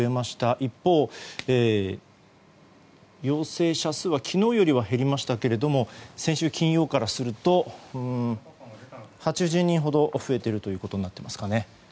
一方、陽性者数は昨日よりは減りましたけども先週金曜からすると８０人ほど増えていることになっていますかね。